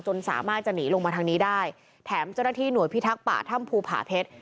สามารถจะหนีลงมาทางนี้ได้แถมเจ้าหน้าที่หน่วยพิทักษ์ป่าถ้ำภูผาเพชร